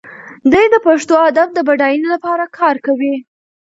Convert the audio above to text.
دی د پښتو ادب د بډاینې لپاره کار کوي.